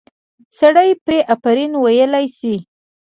سړی پرې آفرین ویلی شي.